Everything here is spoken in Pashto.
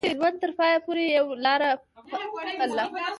د ژوند تر پايه پورې يې يوه لاره پالله.